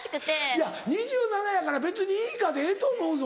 いや２７歳やから「別にいいか」でええと思うぞ。